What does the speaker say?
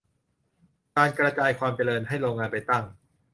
การ "กระจายความเจริญ" ให้โรงงานไปตั้ง